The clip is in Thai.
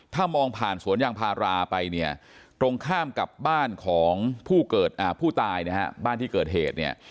ถ้ามองผ่านสวนยางพาราไปเนี่ยตรงข้ามกับบ้านของผู้ตายนะฮะบ้านที่เกิดเหตุเนี่ย